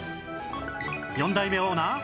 ４代目オーナー